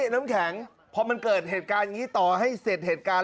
น้ำแข็งพอมันเกิดเหตุการณ์อย่างนี้ต่อให้เสร็จเหตุการณ์